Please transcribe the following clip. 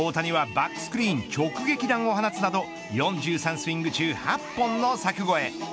大谷はバックスクリーン直撃弾を放つなど４３スイング中８本の柵越え。